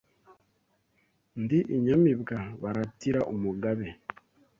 Ndi inyamibwa baratira umugabe